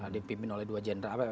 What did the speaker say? dipimpin oleh dua jenera